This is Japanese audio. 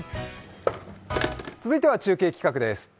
続いては中継企画です。